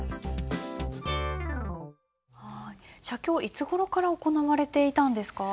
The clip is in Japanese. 写経いつごろから行われていたんですか？